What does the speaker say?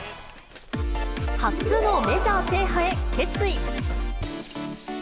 初のメジャー制覇へ、決意。